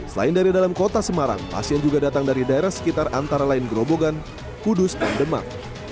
selain dari dalam kota semarang pasien juga datang dari daerah sekitar antara lain gerobogan kudus dan demak